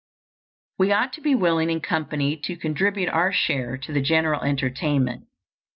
We ought to be willing in company to contribute our share to the general entertainment.